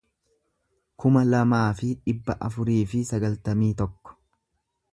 kuma lamaa fi dhibba afurii fi sagaltamii tokko